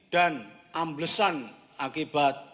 dan amblesan akibat